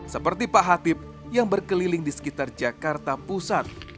seperti pak hatip yang berkeliling di sekitar jakarta pusat